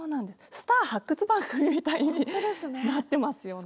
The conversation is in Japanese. スター発掘番組みたいになってますよね。